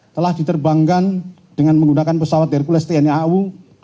telah diterbangkan dengan menggunakan pesawat hercules tni au